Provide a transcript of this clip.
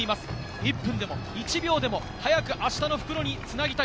１分でも１秒でも早く明日の復路につなぎたい。